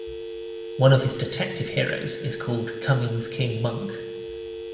One of his detective heroes is called Cummings King Monk.